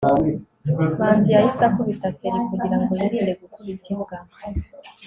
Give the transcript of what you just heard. manzi yahise akubita feri kugirango yirinde gukubita imbwa